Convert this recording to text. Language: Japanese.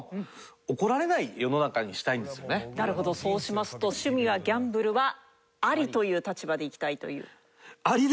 そうしますと趣味はギャンブルはアリという立場でいきたいという。